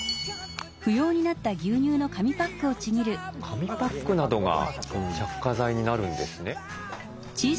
紙パックなどが着火剤になるんですね。